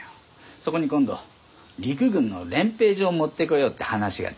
そこに今度陸軍の練兵場を持ってこようって話が出てきた。